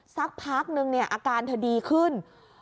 สักพักนึงเนี่ยอาการเธอดีขึ้น